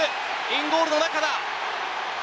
インボールの中だ。